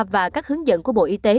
và các hướng dẫn của bộ y tế